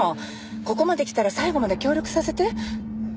ここまで来たら最後まで協力させて。